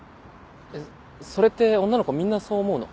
それって女の子みんなそう思うの？